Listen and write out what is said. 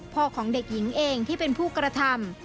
ของเด็กหญิงเองที่เป็นผู้กระทำ